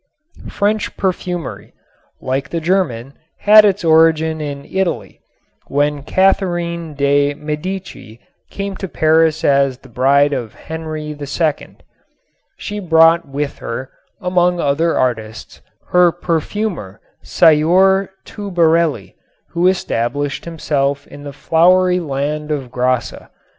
French perfumery, like the German, had its origin in Italy, when Catherine de' Medici came to Paris as the bride of Henri II. She brought with her, among other artists, her perfumer, Sieur Toubarelli, who established himself in the flowery land of Grasse.